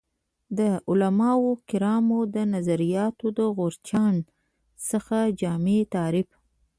د علمای کرامو د نظریاتو د غورچاڼ څخه جامع تعریف